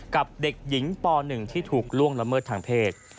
กับเด็กหญิงป๑ที่ถูกล่วงละเมิดทางเพศ